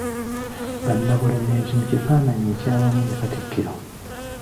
Bannabulemezi mu kifaananyi ekyawamu ne Katikkiro.